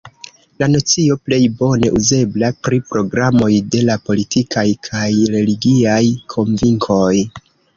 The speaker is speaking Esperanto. La nocio plej bone uzebla pri programoj de la politikaj kaj religiaj konvinkoj.